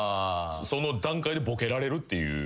その段階でボケられるっていう。